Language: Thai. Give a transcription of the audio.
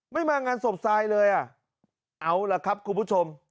มางานศพทรายเลยอ่ะเอาล่ะครับคุณผู้ชม